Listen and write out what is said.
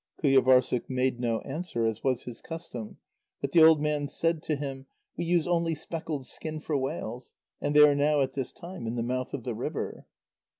Qujâvârssuk made no answer, as was his custom, but the old man said to him: "We use only speckled skin for whales. And they are now at this time in the mouth of the river."